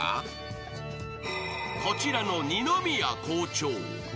［こちらの二宮校長］